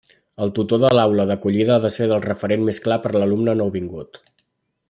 El tutor de l’aula d’acollida ha de ser el referent més clar per l’alumne nouvingut.